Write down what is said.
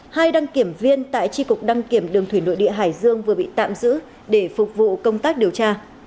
hai đăng kiểm viên tại tri cục đăng kiểm đường thủy nội địa hải dương vừa bị tạm giữ để phục vụ công tác điều tra